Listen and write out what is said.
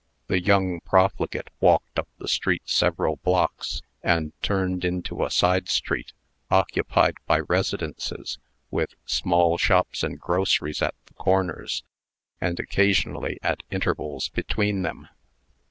The young profligate walked up the street several blocks, and turned into a side street, occupied by residences, with small shops and groceries at the corners, and occasionally at intervals between them.